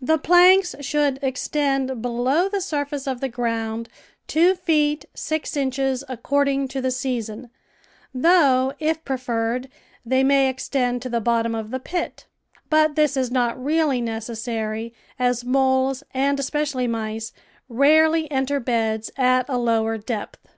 The planks should extend below the surface of the ground two feet six inches according to the season, though, if pre ferred, they may extend to the bottom of the pit; but this is not really necessary, as moles, and espe cially mice, rarely enter beds at a lower depth.